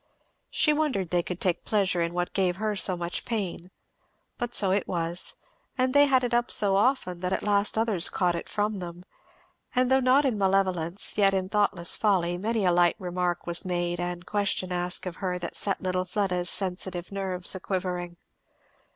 She wondered they could take pleasure in what gave her so much pain; but so it was; and they had it up so often that at last others caught it from them; and though not in malevolence yet in thoughtless folly many a light remark was made and question asked of her that set little Fleda's sensitive nerves a quivering.